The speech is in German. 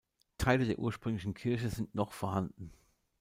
Teile der ursprünglich Kirche sind noch vorhanden.